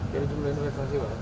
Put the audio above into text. dari jumlah investasi